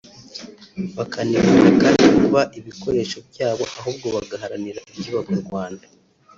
bakanirinda kandi kuba ibikoresho byabo ahubwo bagaharanira ibyubaka u Rwanda